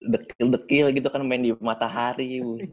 bekil bekil gitu kan main di matahari